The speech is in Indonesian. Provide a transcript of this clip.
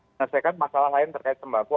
menyelesaikan masalah lain terkait sembako